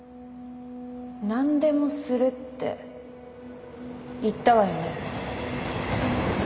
なんでもするって言ったわよね？